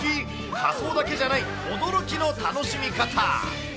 仮装だけじゃない驚きの楽しみ方。